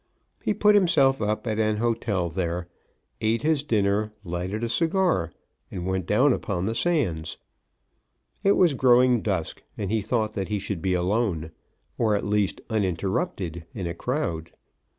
He put himself up at an hotel there, eat his dinner, lighted a cigar, and went down upon the sands. It was growing dusk, and he thought that he should be alone, or, at least, uninterrupted in a crowd.